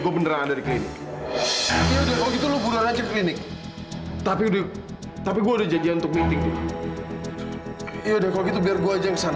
pergi dengan cantik sekarang